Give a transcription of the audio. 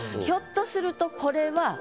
ひょっとするとこれは。